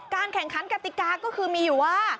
การแข่งขันภายกรรติกาก็คือมีอยู่ว่า